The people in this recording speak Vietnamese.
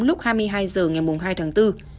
lúc hai mươi hai giờ ngày hai tháng bốn